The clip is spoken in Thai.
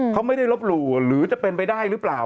เขาไม่ได้ลบหลู่หรือจะเป็นไปได้หรือเปล่า